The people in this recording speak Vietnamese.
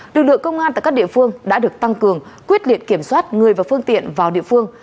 lực lượng công an tại các địa phương đã được tăng cường quyết liệt kiểm soát người và phương tiện vào địa phương